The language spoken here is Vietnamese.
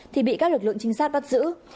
thì bị các lực lượng trinh sát bắt kết